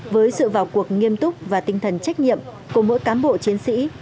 với sự vào cuộc nghiêm túc và tinh thần trách nhiệm của mỗi cán bộ chiến sĩ